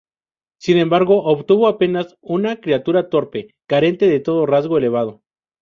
Sin embargo, obtuvo apenas una criatura torpe, carente de todo rasgo elevado.